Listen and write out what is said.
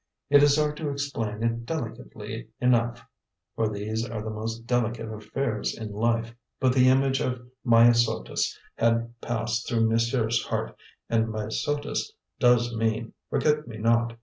It is hard to explain it delicately enough, for these are the most delicate affairs in life; but the image of Myosotis had passed through monsieur's heart, and Myosotis does mean "forget me not."